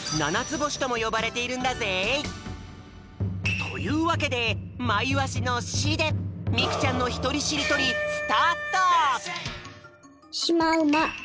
ぼしともよばれているんだぜ！というわけでまいわしの「し」でみくちゃんのひとりしりとりへい！